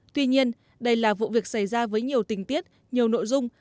tuy nhiên đây là vụ việc xảy ra với nhiều tình tiết nhiều nội dung